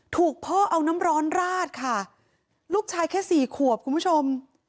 ถูกพ่อเอาน้ำร้อนราดค่ะลูกชายแค่สี่ขวบคุณผู้ชม